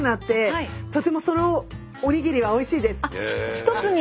一つに。